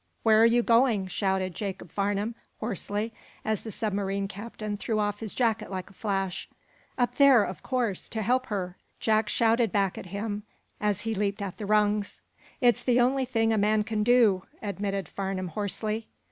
"Where are you going?" shouted Jacob Farnum, hoarsely, as the submarine captain threw off his jacket like a flash. "Up there of course to help her!" Jack shouted back at him, as he leaped at the rungs. "It's the only thing a man can do," admitted Farnum, hoarsely.